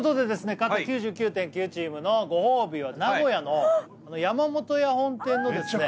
勝った９９．９チームのご褒美は名古屋の山本屋本店のですね